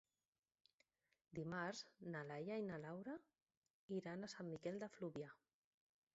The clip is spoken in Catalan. Dimarts na Laia i na Laura iran a Sant Miquel de Fluvià.